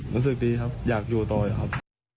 รู้สึกดีครับอยากอยู่ต่ออีกครับ